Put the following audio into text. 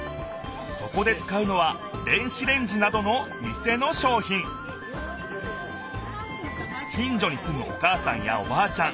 そこで使うのは電子レンジなどの店のしょうひん近じょにすむおかあさんやおばあちゃん